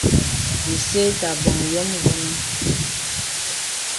Bìsê tà bòŋ yòm vənə.